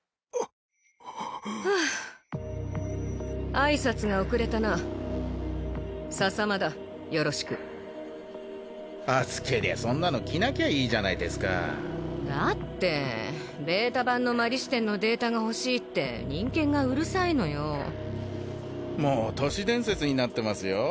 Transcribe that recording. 挨拶が遅れたな佐々魔だよろしく暑けりゃそんなの着なきゃいいじゃないですかだってベータ版の摩利支天のデータが欲しいって忍研がうるさいのよもう都市伝説になってますよ